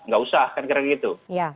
nggak usah kan kira kira gitu